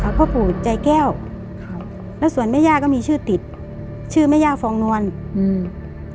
พ่อปู่ใจแก้วครับแล้วส่วนแม่ย่าก็มีชื่อติดชื่อแม่ย่าฟองนวลอืม